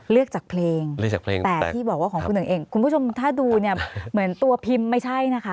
เลือกจากเพลงเลือกจากเพลงแต่ที่บอกว่าของคุณหนึ่งเองคุณผู้ชมถ้าดูเนี่ยเหมือนตัวพิมพ์ไม่ใช่นะคะ